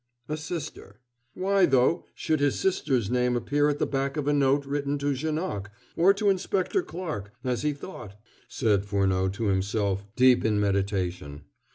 "A sister. Why, though, should his sister's name appear at the back of a note written to Janoc, or to Inspector Clarke, as he thought?" said Furneaux to himself, deep in meditation.